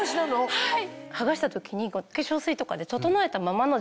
はい。